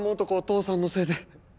父さんのせいで。